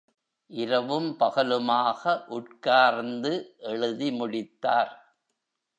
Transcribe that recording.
இரவும் பகலுமாக உட்கார்ந்து எழுதி முடித்தார்.